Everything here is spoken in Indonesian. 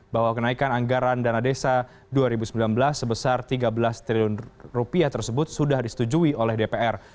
bahwa kenaikan anggaran dana desa dua ribu sembilan belas sebesar tiga belas triliun rupiah tersebut sudah disetujui oleh dpr